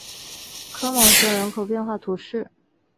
科芒雄人口变化图示